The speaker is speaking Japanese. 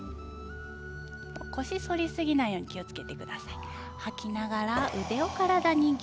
腰を反りすぎないように気をつけてください。